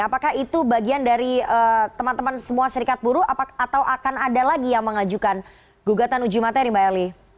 apakah itu bagian dari teman teman semua serikat buruh atau akan ada lagi yang mengajukan gugatan uji materi mbak eli